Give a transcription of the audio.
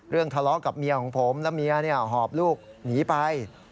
เรื่องทะเลาะกับเมียของผมแล้วเมียเนี่ยหอบลูกหนีไป